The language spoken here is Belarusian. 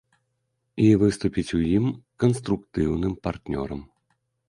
І выступіць у ім канструктыўным партнёрам.